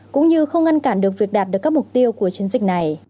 cũng như không ngăn cản được việc đạt được các mục tiêu của chiến dịch này